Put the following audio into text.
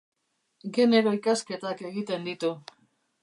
Genero ikasketak egiten ditu.